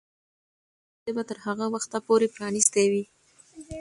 ښوونځي به تر هغه وخته پورې پرانیستي وي.